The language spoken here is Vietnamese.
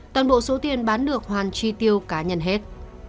toàn bộ số tiền bán được hoàn tri tiêu cá nhân hết